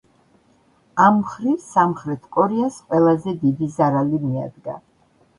ამ მხრივ სამხრეთ კორეას ყველაზე დიდი ზარალი მიადგა.